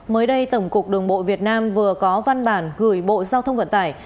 mới đây tổng cục đường bộ việt nam vừa có văn bản gửi bộ giao thông vận tải